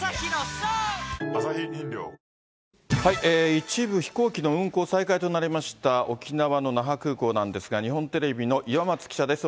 一部飛行機の運航再開となりました沖縄の那覇空港なんですが、日本テレビの岩松記者です。